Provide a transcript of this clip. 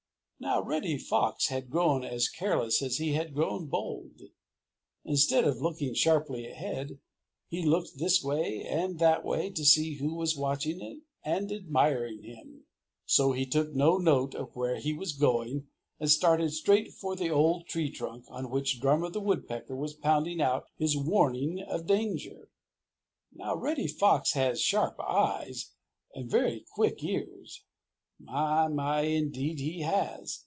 Now Reddy Fox had grown as careless as he had grown bold. Instead of looking sharply ahead, he looked this way and that way to see who was watching and admiring him. So he took no note of where he was going and started straight for the old tree trunk on which Drummer the Woodpecker was pounding out his warning of danger. Now Reddy Fox has sharp eyes and very quick ears. My, my, indeed he has!